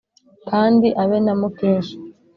kandi abe na mukesha